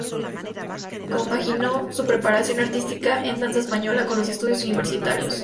Compaginó su preparación artística en danza española con los estudios universitarios.